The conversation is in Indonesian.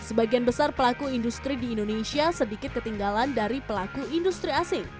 sebagian besar pelaku industri di indonesia sedikit ketinggalan dari pelaku industri asing